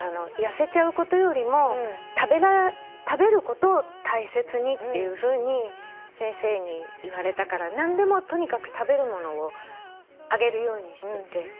「痩せちゃうことよりも食べることを大切に」って先生に言われたから何でもとにかく食べるものをあげるようにしてて。